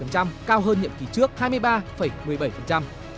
cao hơn nhiệm kỳ trước hai mươi ba một mươi bảy